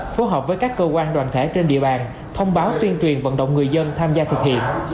phối hợp với các cơ quan đoàn thể trên địa bàn thông báo tuyên truyền vận động người dân tham gia thực hiện